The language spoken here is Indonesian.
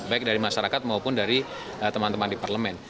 baik dari masyarakat maupun dari teman teman di parlemen